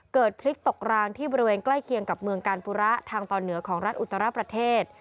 พลิกตกรางที่บริเวณใกล้เคียงกับเมืองกาลปุระทางตอนเหนือของรัฐอุตรประเทศ